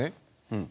うん。